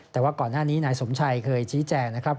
แต่ว่าก่อนหน้านี้นายสมชัยเคยชี้แจงนะครับ